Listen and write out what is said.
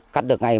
để lưu ý